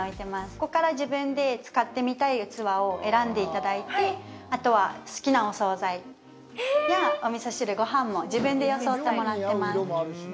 ここから自分で使ってみたい器を選んで頂いてあとは好きなお総菜やおみそ汁・ごはんも自分でよそってもらってます